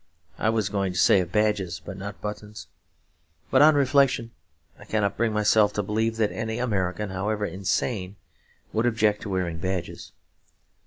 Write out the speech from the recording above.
I was going to say of badges but not buttons; but on reflection I cannot bring myself to believe that any American, however insane, would object to wearing badges.